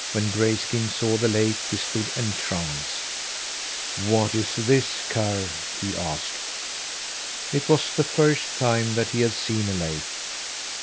When Grayskin saw the lake he stood entranced. "What is this, Karr?" he asked. It was the first time that he had seen a lake.